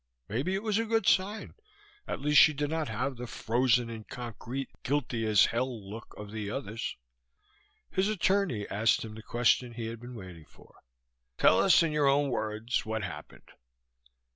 Maybe it was a good sign. At least she did not have the frozen in concrete, guilty as hell look of the others. His attorney asked him the question he had been waiting for: "Tell us, in your own words, what happened."